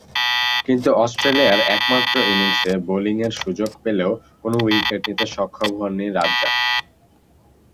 কিন্তু অস্ট্রেলিয়ার একমাত্র ইনিংসে বোলিংয়ের সুযোগ পেলেও কোন উইকেট নিতে সক্ষম হননি রাজ্জাক।